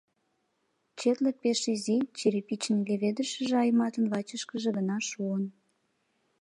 Четлык пеш изи, черепичный леведышыже Айматын вачышкыже гына шуын.